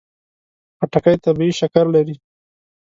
خټکی طبیعي شکر لري.